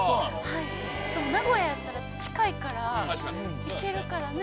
はいしかも名古屋やったら近いから確かに行けるからね